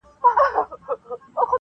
شاعره ویښ یې کنه-